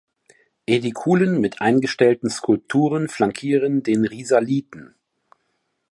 Ädikulen mit eingestellten Skulpturen flankieren den Risaliten.